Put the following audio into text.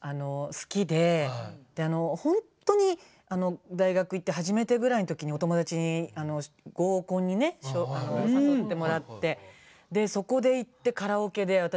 好きでであのほんとに大学行って初めてぐらいの時にお友達に合コンにね誘ってもらってでそこで行ってカラオケで私